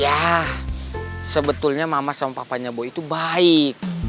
ya sebetulnya mama sama papanya boy itu baik